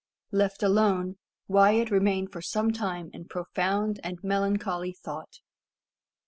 Left alone, Wyat remained for some time in profound and melancholy thought.